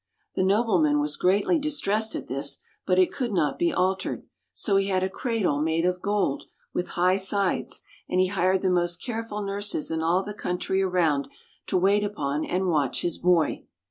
The nobleman was greatly distressed at this, but it could not be altered ; so he had a cradle made of gold, with high sides, and he hired the most careful nurses in all the coun try around, to wait upon and watch his boy.